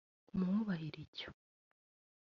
umwubahire icyo